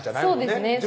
そうですね